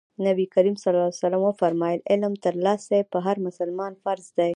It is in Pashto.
نبي کريم ص وفرمايل علم ترلاسی په هر مسلمان فرض دی.